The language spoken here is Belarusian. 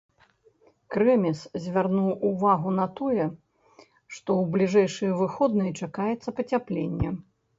Крэмез звярнуў увагу на тое, што ў бліжэйшыя выходныя чакаецца пацяпленне.